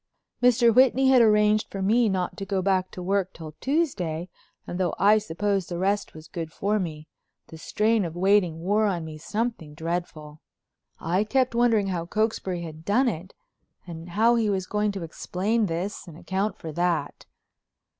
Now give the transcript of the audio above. Mr. Whitney had arranged for me not to go back to work till Tuesday and though I suppose the rest was good for me, the strain of waiting wore on me something dreadful. I kept wondering how Cokesbury had done it, and how he was going to explain this and account for that.